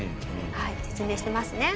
はい説明してますね。